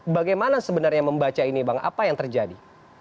bagaimana sebenarnya membaca ini bang apa yang terjadi